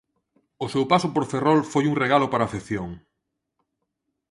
O seu paso por Ferrol foi un regalo para a afección.